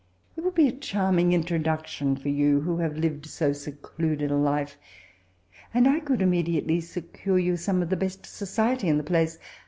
It would be a charmiDg in troduction for you, who have lived so secluded a life ; and I could immediately secure you some of the best society in the place.